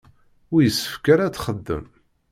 Ur yessefk ara ad txedmem.